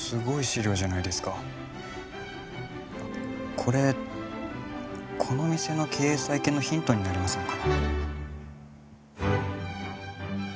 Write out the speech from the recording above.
これこの店の経営再建のヒントになりませんか？